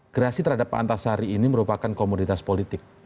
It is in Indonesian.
gerasi terhadap pak antasari ini merupakan komoditas politik